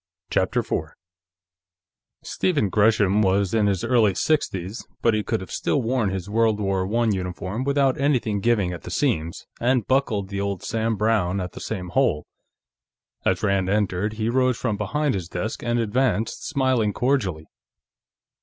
CHAPTER 4 Stephen Gresham was in his early sixties, but he could have still worn his World War I uniform without anything giving at the seams, and buckled the old Sam Browne at the same hole. As Rand entered, he rose from behind his desk and advanced, smiling cordially.